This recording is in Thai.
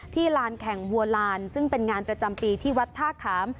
ลานแข่งวัวลานซึ่งเป็นงานประจำปีที่วัดท่าขาม